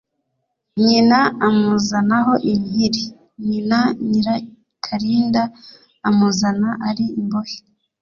nyina amuzanaho mpiri: nyina (nyirakarinda) amuzana ari imbohe